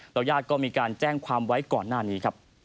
แล้วยาดก็มีการแจ้งความไว้ก่อนหน้านี้